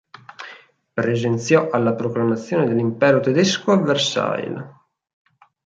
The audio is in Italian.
Presenziò alla proclamazione dell'impero tedesco a Versailles.